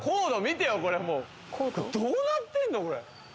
どうなってんのこれ！